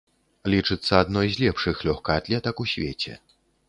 Лічыцца адной з лепшых лёгкаатлетак у свеце.